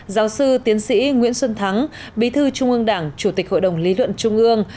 giáo sư tiến sĩ nguyễn xuân thắng bí thư trung ương đảng chủ tịch hội đồng lý luận trung ương